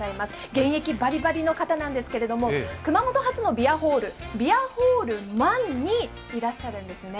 現役バリバリの方なんですが、熊本初のビアホール、ビアホールＭＡＮにいらっしゃるんですね。